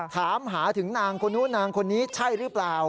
ถามหาถึงนางคนนู้นนางคนนี้ใช่หรือเปล่า